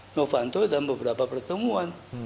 novanto dan beberapa pertemuan